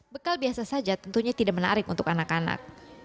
bekal biasa saja tentunya tidak menarik untuk anak anak